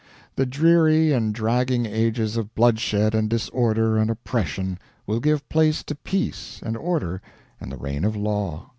The dreary and dragging ages of bloodshed and disorder and oppression will give place to peace and order and the reign of law.